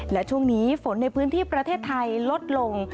และช่วงนี้ฝนในพื้นที่ประเทศไทยลดลง